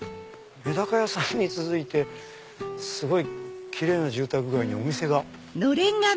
メダカ屋さんに続いてすごいキレイな住宅街にお店が。